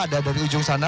ada dari ujung sana